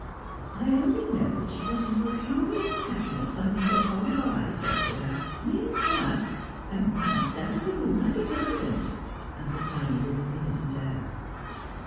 ' I only know that she got into a furious passion at something that Horrie or I said to her — mere diaff — and bounced out of the room like a termagant,' answered Tiny, with an innocent air.